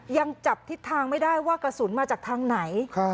ยังจับทิศทางไม่ได้ว่ากระสุนมาจากทางไหน